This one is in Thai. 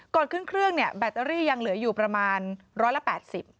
ก่อนขึ้นเครื่องเนี่ยแบตเตอรี่ยังเหลืออยู่ประมาณร้อยละแปดสิบ